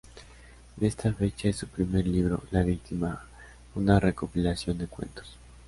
De esta fecha es su primer libro "La víctima", una recopilación de cuentos.